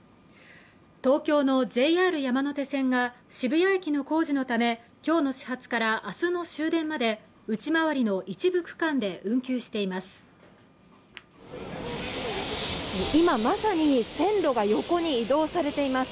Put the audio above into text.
東京のＪＲ山手線が渋谷駅の工事のため今日の始発から明日の終電まで内回りの一部区間で運休しています